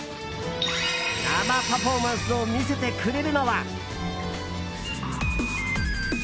生パフォーマンスを見せてくれるのは。